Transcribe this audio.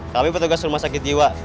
kami petugas rumah sakit jiwa